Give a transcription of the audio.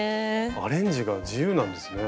アレンジが自由なんですね。